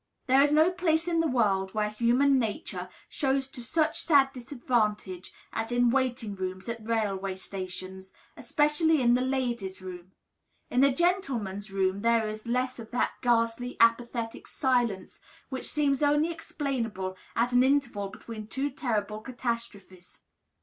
There is no place in the world where human nature shows to such sad disadvantage as in waiting rooms at railway stations, especially in the "Ladies' Room." In the "Gentlemen's Room" there is less of that ghastly, apathetic silence which seems only explainable as an interval between two terrible catastrophes.